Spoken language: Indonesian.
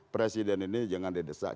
presiden ini jangan didesak